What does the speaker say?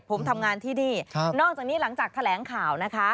ผมทำงานที่นี่นอกจากนี้หลังจากแถลงข่าวนะคะ